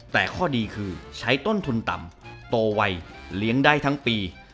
แต่ข้อดีคือใช้ต้นทุนต่ำโตไวเลี้ยงได้ทั้งปี